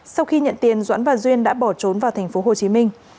sau khi nhận tiền doãn và duyên đã bỏ trốn vào thành phố hồ chí minh